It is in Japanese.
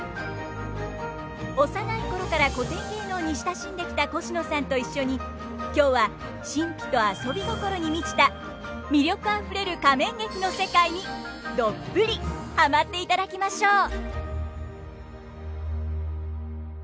幼い頃から古典芸能に親しんできたコシノさんと一緒に今日は神秘と遊び心に満ちた魅力あふれる仮面劇の世界にどっぷりハマっていただきましょう！